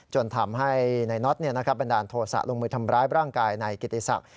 จนทำให้นายนอทเนี่ยนะคะบันดาลโทษะลงมือทำร้ายพระร่างกายในกิตติศักดิ์